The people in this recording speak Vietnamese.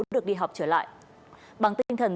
được đi học trở lại bằng tinh thần